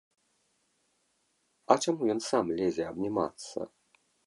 А чаму ён сам лезе абнімацца?!